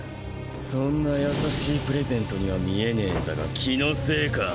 そんな優しプレゼントには見えねぇンだが気のせいか？